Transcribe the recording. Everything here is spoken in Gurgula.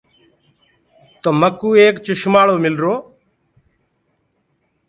تو مڪوُ ايڪ چشمآݪو ملرو۔